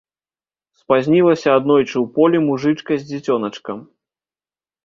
Спазнілася аднойчы ў полі мужычка з дзіцёначкам.